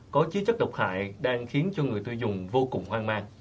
có chí chất độc hại đang khiến cho người tư dùng vô cùng hoang mang